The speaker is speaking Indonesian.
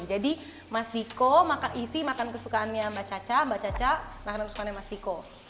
jadi mas tiko isi makanan kesukaannya mbak caca mbak caca makanan kesukaannya mas tiko